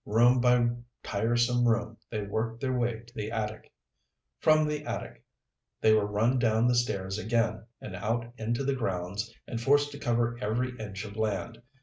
Room by tiresome room they worked their way to the attic. From the attic they were run down the stairs again and out into the grounds and forced to cover every inch of land.